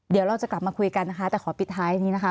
เดี๋ยวเราจะกลับมาคุยกันนะคะแต่ขอปิดท้ายอันนี้นะคะ